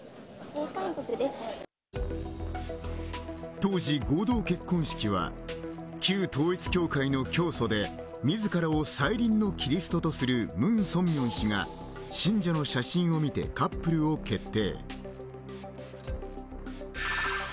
当時合同結婚式は旧統一教会の教祖で自らを再臨のキリストとする文鮮明が信者の写真を見てカップルを決定